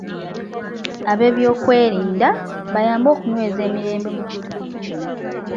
Abeebyokwerinda, bayambe okunyweza emirembe mu kitundu kino.